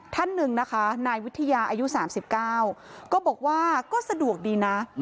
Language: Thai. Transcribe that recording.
ท่านหนึ่งนะคะนายวิทยาอายุ๓๙ก็บอกว่าก็สะดวกดีนะ